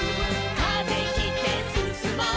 「風切ってすすもう」